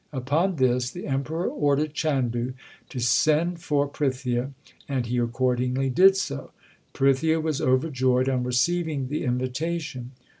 Upon this the Emperor ordered Chandu to send for Prithia, and he accordingly did so. Prithia was overjoyed on receiving the invitation.